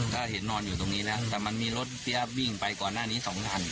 ก็เห็นนอนอยู่ตรงนี้แล้วแต่มันมีรถเสียบวิ่งไปก่อนหน้านี้๒คัน